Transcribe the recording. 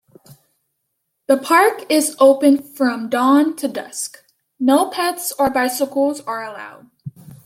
The park is open from dawn to dusk; no pets or bicycles are allowed.